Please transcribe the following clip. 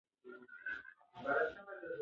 ګورګین صفوي دربار ته درواغجن لیکونه ولیکل.